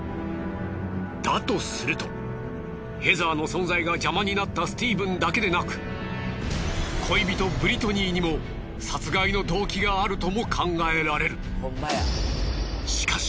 だとするとヘザーの存在が邪魔になったスティーブンだけでなく恋人ブリトニーにも殺害の動機があるとも考えられる。